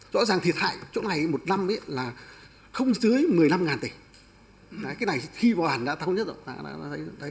rõ ràng thiệt hại chỗ này một năm là không dưới một mươi năm tỷ cái này thi hoàn đã thông nhất rồi